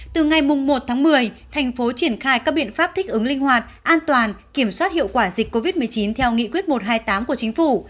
từ ngày một tháng một mươi thành phố triển khai các biện pháp thích ứng linh hoạt an toàn kiểm soát hiệu quả dịch covid một mươi chín theo nghị quyết một trăm hai mươi tám của chính phủ